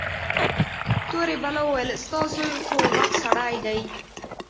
تورې بلا وويل ستا زوى خوغټ سړى دى.